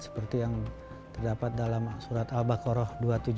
seperti yang terdapat dalam surat al baqarah dua ratus tujuh puluh